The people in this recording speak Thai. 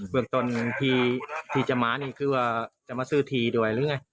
เมืองต้นที่จะมานี่คือว่าจะมาซื้อทีด้วยหรือไง